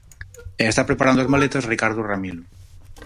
E está preparando as maletas Ricardo Ramilo.